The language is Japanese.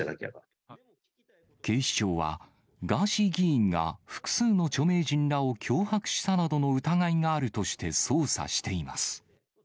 警視庁は、ガーシー議員が複数の著名人らを脅迫したなどの疑いがあるとして、捜査しています。